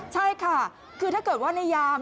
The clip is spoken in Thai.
ใช่ค่ะคือถ้าเกิดว่าในยาม